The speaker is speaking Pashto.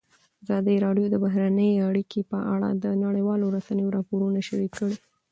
ازادي راډیو د بهرنۍ اړیکې په اړه د نړیوالو رسنیو راپورونه شریک کړي.